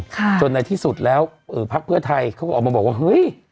จนในที่สุดแล้วเออพักเพื่อไทยเขาก็ออกมาบอกว่าเฮ้ย